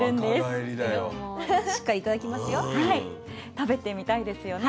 食べてみたいですよね。